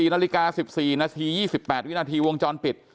นาฬิกา๑๔นาที๒๘วินาทีวงจรปิด